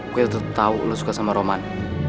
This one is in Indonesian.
gue tetep tau lo suka sama roman